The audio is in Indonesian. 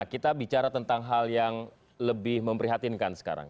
kita bicara tentang hal yang lebih memprihatinkan sekarang